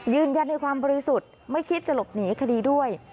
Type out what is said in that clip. ยืนยันในความบริสุทธิ์ไม่คิดจะหลบหนีคดีด้วย